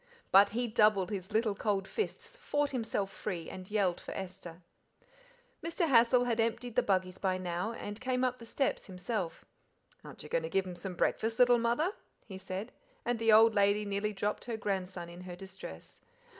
But he doubled his little cold fists, fought himself free, and yelled for Esther. Mr. Hassal had emptied the buggies by now, and came up the steps himself. "Aren't you going to give them some breakfast, little mother?" he said, and the old lady nearly dropped her grandson in her distress.